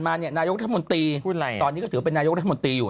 มาอย่งนายกละมคุณอะไรตอนนี้ก็เสียเป็นนายกละมอยู่